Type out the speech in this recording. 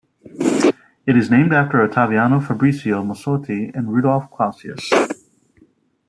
It is named after Ottaviano-Fabrizio Mossotti and Rudolf Clausius.